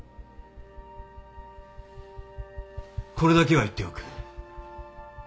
これだけは言っておく。